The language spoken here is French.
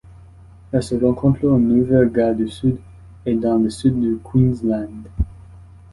Elle se rencontre en Nouvelle-Galles du Sud et dans le sud du Queensland.